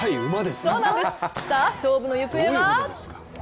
さあ、勝負の行方は？